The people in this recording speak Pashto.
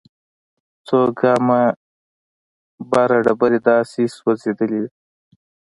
څو ګامه بره ډبرې داسې سوځېدلې وې.